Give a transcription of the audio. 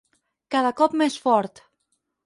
Cada cop més fort.